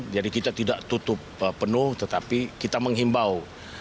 jadi kita tidak tutup penuh tetapi kita menghimbau